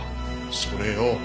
それよ！